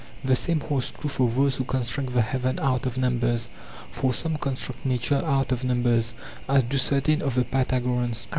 The same holds true for those who construct the heaven out of numbers; for some con struct nature out of numbers, as do certain of the Pythagoreans.